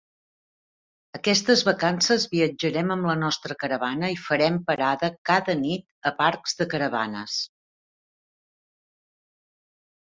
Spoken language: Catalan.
Aquestes vacances viatjarem amb la nostra caravana i farem parada cada nit a parcs de caravanes.